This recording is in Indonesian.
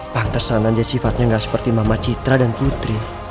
pantesan aja sifatnya gak seperti mamah citra dan putri